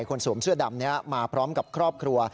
สวมเสื้อดำนี้มาพร้อมกับครอบครัว